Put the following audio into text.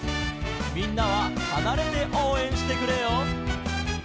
「みんなははなれておうえんしてくれよ」